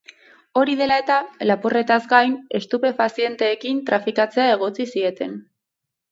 Hori dela eta, lapurretaz gain, estupefazienteekin trafikatzea egotzi zieten.